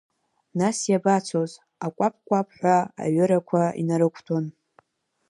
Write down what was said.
Нас иабацоз, акәаԥ-кәаԥхәа аҩырақәа инарықәҭәон.